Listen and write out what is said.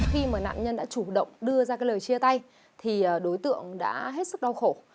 khi mà nạn nhân đã chủ động đưa ra cái lời chia tay thì đối tượng đã hết sức đau khổ